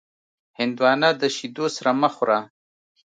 هندوانه د شیدو سره مه خوره.